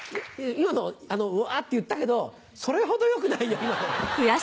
今のわって言ったけどそれほど良くないよ。